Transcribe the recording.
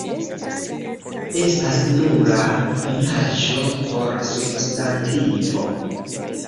Estas nula finaĵo por substantivo.